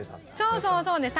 そうそうそうです。